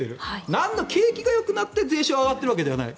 なんら景気がよくなって税収がよくなったわけではない。